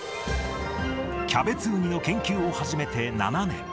キャベツウニの研究を始めて７年。